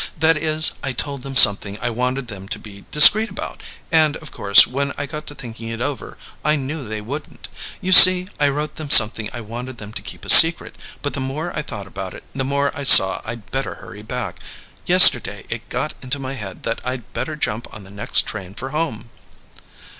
That is, I told them something I wanted them to be discreet about, and, of course, when I got to thinking it over, I knew they wouldn't. You see, I wrote them something I wanted them to keep a secret, but the more I thought about it, the more I saw I'd better hurry back. Yesterday it got into my head that I'd better jump on the next train for home!"